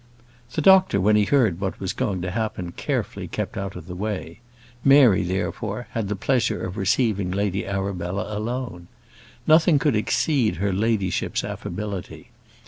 The doctor, when he had heard what was going to happen, carefully kept out of the way: Mary, therefore, had the pleasure of receiving Lady Arabella alone. Nothing could exceed her ladyship's affability.